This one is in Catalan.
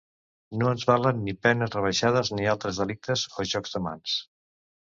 No ens valen ni penes rebaixades ni altres delictes o jocs de mans.